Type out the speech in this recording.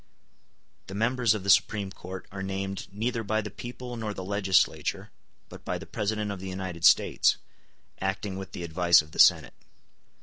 The members of the Supreme Court are named neither by the people nor the legislature, but by the President of the United States, acting with the advice of the Senate.